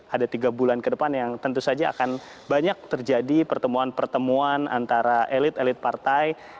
ada tiga bulan ke depan yang tentu saja akan banyak terjadi pertemuan pertemuan antara elit elit partai